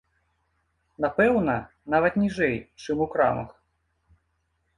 Напэўна, нават ніжэй, чым у крамах.